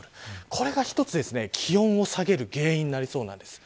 これが一つ、気温を下げる原因になりそうです。